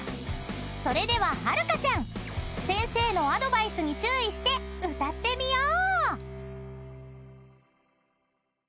［それでははるかちゃん先生のアドバイスに注意して歌ってみよう！］